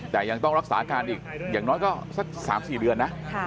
แต่ยังต้องรักษาการอีกอย่างน้อยก็สัก๓๔เดือนนะ